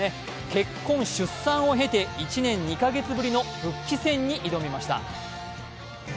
結婚・出産を経て１年２か月ぶりの復帰戦へ挑みました。